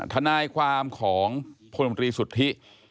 ทนายความของพลงตรีสุธิภูมิภิ